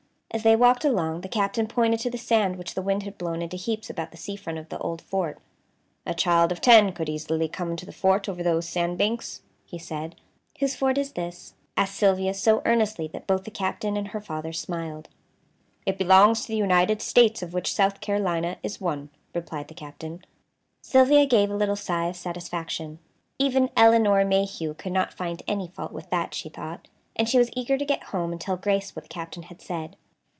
As they walked along the Captain pointed to the sand which the wind had blown into heaps about the sea front of the old fort. "A child of ten could easily come into the fort over those sand banks," he said. "Whose fort is this?" asked Sylvia, so earnestly that both the Captain and her father smiled. "It belongs to the United States, of which South Carolina is one," replied the Captain. Sylvia gave a little sigh of satisfaction. Even Elinor Mayhew could not find any fault with that, she thought, and she was eager to get home and tell Grace what the Captain had said.